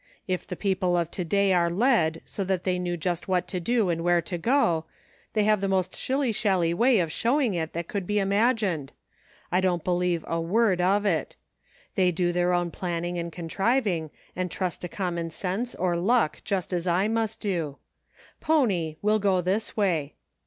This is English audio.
If the people of to day are led, so that they know just what to do and where to go, they have the most shilly shally way of showing it that could be imagined. I don't believe a word of it. 1 88 HAPPENINGS. They do their own planning and contriving, and trust to common sense or luck, just as I must do. Pony, we'll go this way."